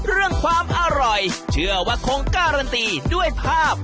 เรื่องความอร่อยเชื่อว่าคงการันตีด้วยภาพ